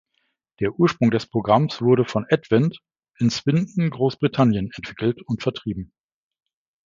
Der Ursprung des Programms wurde von Advent in Swindon, Großbritannien, entwickelt und vertrieben.